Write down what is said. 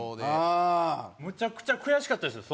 むちゃくちゃ悔しかったですよ。